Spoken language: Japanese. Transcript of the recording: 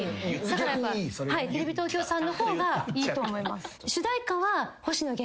だからやっぱテレビ東京さんの方がいいと思います。